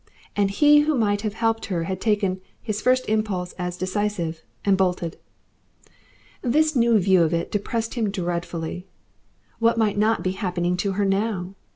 And he who might have helped her had taken his first impulse as decisive and bolted. This new view of it depressed him dreadfully. What might not be happening to her now?